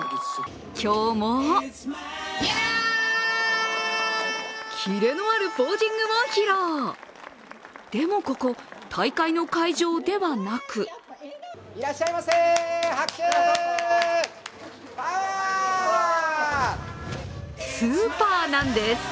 今日もキレのあるポージングを披露でもここ、大会の会場ではなくスーパーなんです。